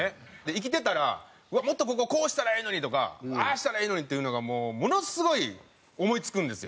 生きてたら「もっとこここうしたらええのに」とか「ああしたらええのに」っていうのがものすごい思い付くんですよ。